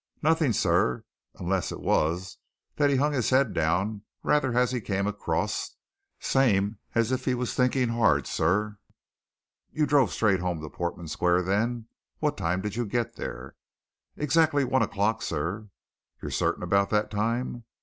"Nothing, sir unless it was that he hung his head down rather as he came across same as if he was thinking hard, sir." "You drove straight home to Portman Square, then. What time did you get there?" "Exactly one o'clock, sir." "You're certain about that time?"